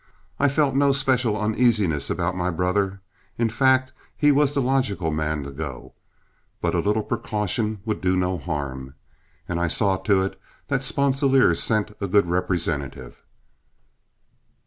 I felt no special uneasiness about my brother, in fact he was the logical man to go, but a little precaution would do no harm, and I saw to it that Sponsilier sent a good representative.